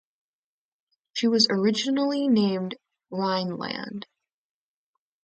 She was originally named "Rheinland".